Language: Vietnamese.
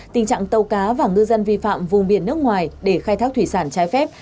tình trạng tàu cá và ngư dân vi phạm vùng biển nước ngoài để khai thác thủy sản trái phép